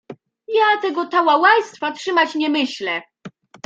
"Ja tego tałałajstwa trzymać nie myślę."